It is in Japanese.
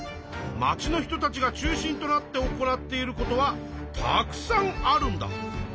まちの人たちが中心となって行っていることはたくさんあるんだ。